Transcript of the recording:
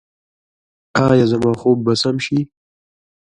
ایا زما خوب به سم شي؟